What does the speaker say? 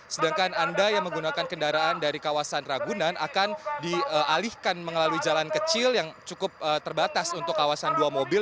sedangkan anda yang menggunakan kendaraan dari kawasan ragunan akan dialihkan melalui jalan kecil yang cukup terbatas untuk kawasan dua mobil